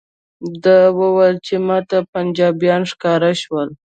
ده وویل چې ماته پنجابیان ښکاره شول.